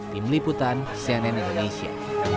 tim liputan cnn indonesia